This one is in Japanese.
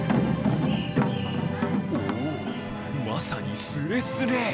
おおまさにスレスレ。